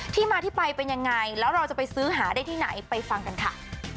ที่มาที่ไปเป็นยังไงแล้วเราจะไปซื้อหาได้ที่ไหนไปฟังกันค่ะ